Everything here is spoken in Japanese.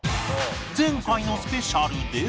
前回のスペシャルで